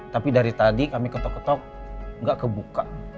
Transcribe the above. tapi dari tadi kami ketok ketok nggak kebuka